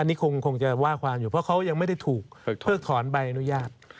อันนี้คงจะว่าความอยู่เพราะเขายังไม่ได้ถูกเพิกถอนใบอนุญาต